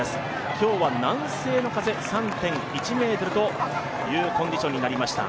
今日は南西の風３．１メートルというコンディションになりました。